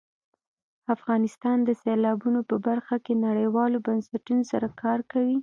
افغانستان د سیلابونه په برخه کې نړیوالو بنسټونو سره کار کوي.